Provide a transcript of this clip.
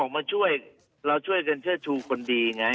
มาช่วยเราช่วยกันเชิดชูคนดีไง